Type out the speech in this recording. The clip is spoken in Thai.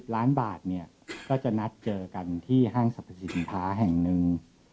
ล้านบาทเนี่ยก็จะนัดเจอกันที่ห้างสรรพสินค้าแห่งหนึ่ง